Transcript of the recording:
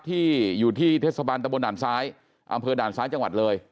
ที่อยู่ที่เทศบาลตะบนด่านซ้ายอำเภอด่านซ้ายจังหวัดเลย